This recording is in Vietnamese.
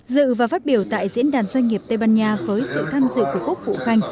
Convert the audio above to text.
dự và phát biểu tại diễn đàn doanh nghiệp tây ban nha với sự tham dự của quốc vụ khanh